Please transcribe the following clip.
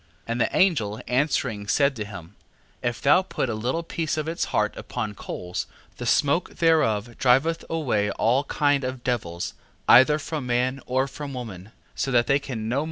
6:8. And the angel, answering, said to him: If thou put a little piece of its heart upon coals, the smoke thereof driveth away all kind of devils, either from man or from woman, so that they come no more to them.